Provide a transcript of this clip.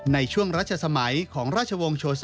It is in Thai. ในช่วงรัชสมัยของราชวงศ์โช๒